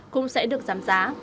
cũng sẽ được giảm giá